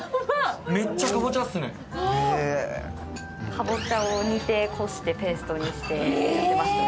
かぼちゃを煮て、こしてペーストにしてますね。